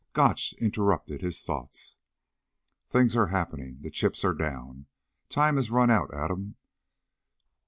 Gotch interrupted his thoughts. "Things are happening. The chips are down. Time has run out, Adam."